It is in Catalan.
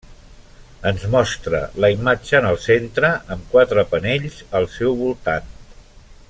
Ens mostra la imatge en el centre, amb quatre panells al seu voltant.